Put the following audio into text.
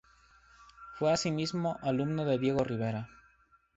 Fue asimismo alumno de Diego Rivera.